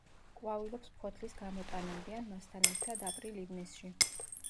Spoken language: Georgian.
ყვავილობს ფოთლის გამოტანამდე ან მასთან ერთად აპრილ-ივნისში.